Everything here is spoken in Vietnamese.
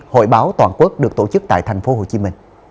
hội báo toàn quốc được tổ chức tại tp hcm